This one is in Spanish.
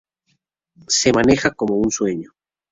Se maneja como un sueño.